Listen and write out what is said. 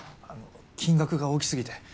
金額が大きすぎて